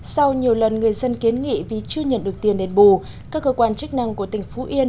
sau nhiều lần người dân kiến nghị vì chưa nhận được tiền đền bù các cơ quan chức năng của tỉnh phú yên